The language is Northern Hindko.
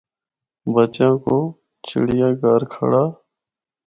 بچےاں کو چِڑّیا گھر کھَڑّا۔